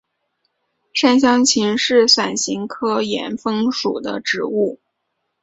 山香芹是伞形科岩风属的植物。